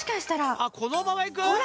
あっこのままいく？